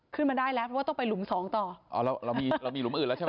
ขึ้นมาได้แล้วเพราะว่าต้องไปหลุมสองต่ออ๋อเราเรามีเรามีหลุมอื่นแล้วใช่ไหม